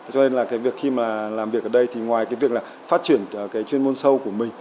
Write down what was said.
cho nên là cái việc khi mà làm việc ở đây thì ngoài cái việc là phát triển cái chuyên môn sâu của mình